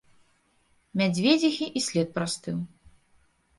Мядзведзіхі і след прастыў.